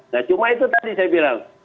nah cuma itu tadi saya bilang